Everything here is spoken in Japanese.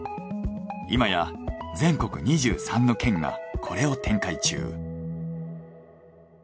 今や全国２３の県がこれを展開中。